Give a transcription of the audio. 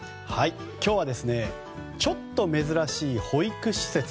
今日はちょっと珍しい保育施設。